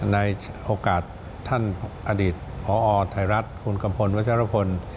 ในโอกาสท่านอดีตพอไทยรัฐคุณกัมพลวัชรพล